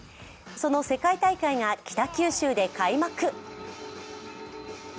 その世界大会が北九州で開幕。